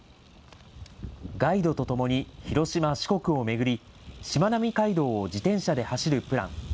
ガイドと共に広島、四国を巡り、しまなみ海道を自転車で走るプラン。